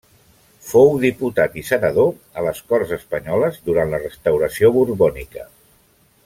Fou diputat i senador a les Corts espanyoles durant la restauració borbònica.